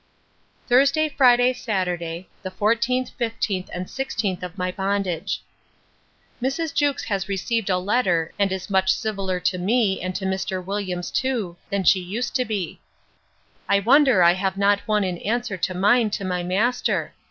Thursday, Friday, Saturday, the 14th, 15th, and 16th, of my bondage. Mrs. Jewkes has received a letter, and is much civiller to me, and Mr. Williams too, than she used to be. I wonder I have not one in answer to mine to my master.